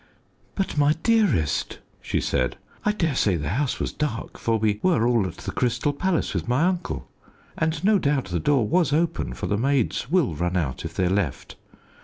"But, my dearest," she said, "I dare say the house was dark, for we were all at the Crystal Palace with my uncle, and no doubt the door was open, for the maids will run out if they're left.